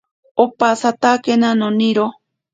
Opasatakena noniro.